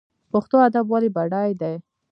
پښتو ادب ولې بډای دی؟